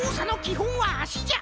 ほんはあしじゃ！